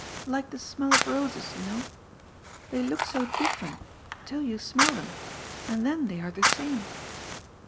Like the smell of roses, you know. They 40 GOD'S FOOL. look 80 different till yon smell them, and then they are the same.